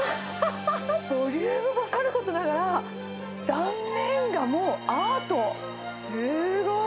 ボリュームもさることながら、断面がもう、アート。